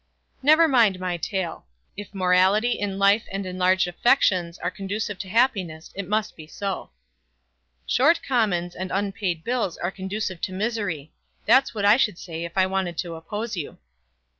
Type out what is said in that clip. "Never mind my tail. If morality in life and enlarged affections are conducive to happiness it must be so." "Short commons and unpaid bills are conducive to misery. That's what I should say if I wanted to oppose you."